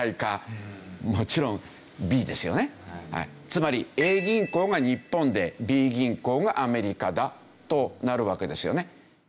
つまりＡ銀行が日本でＢ銀行がアメリカだとなるわけですよね。